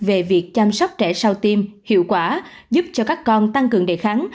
về việc chăm sóc trẻ sau tiêm hiệu quả giúp cho các con tăng cường đề kháng